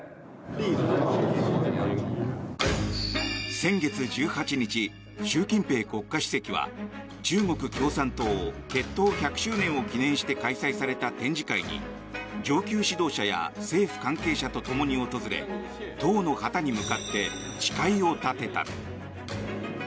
先月１８日習近平国家主席は中国共産党結党１００周年を記念して開催された展示会に上級指導者や政府関係者と訪れ党の旗に向かって誓いを立てた。